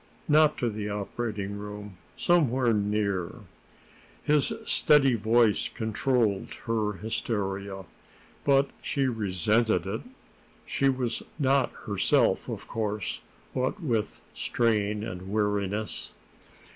"Not to the operating room. Somewhere near." His steady voice controlled her hysteria. But she resented it. She was not herself, of course, what with strain and weariness.